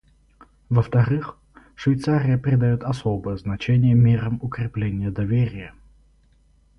Во-вторых, Швейцария придает особое значение мерам укрепления доверия.